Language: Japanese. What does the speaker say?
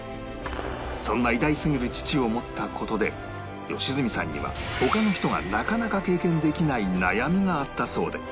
そんな偉大すぎる父を持った事で良純さんには他の人がなかなか経験できない悩みがあったそうで